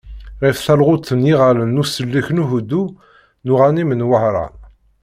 Ɣef talɣut n yiɣallen n usellek d uḥuddu n uɣarim n Wehran.